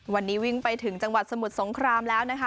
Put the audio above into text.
วันนี้วิ่งไปถึงจังหวัดสมุทรสงครามแล้วนะคะ